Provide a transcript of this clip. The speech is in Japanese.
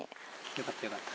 よかったよかった。